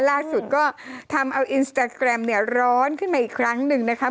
ล่าสุดก็ทำเอาอินสตาแกรมเนี่ยร้อนขึ้นมาอีกครั้งหนึ่งนะคะ